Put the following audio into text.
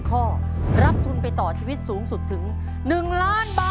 ข้อรับทุนไปต่อชีวิตสูงสุดถึง๑ล้านบาท